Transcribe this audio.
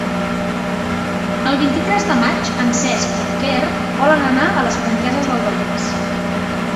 El vint-i-tres de maig en Cesc i en Quer volen anar a les Franqueses del Vallès.